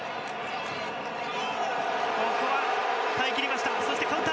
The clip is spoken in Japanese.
ここは耐え切りました。